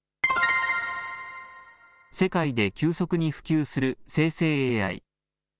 世界で急速に普及する生成ＡＩ。